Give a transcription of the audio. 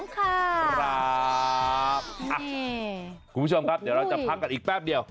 คุณผู้ชมครับเดี๋ยวเราจะพักกันอีกแป๊บเดียว